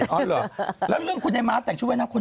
อ๋อเหรอแล้วเรื่องคุณไอ้ม้าแต่งชุดว่ายน้ำคุณ